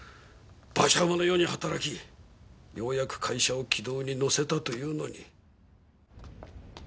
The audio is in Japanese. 馬車馬のように働きようやく会社を軌道に乗せたというのに。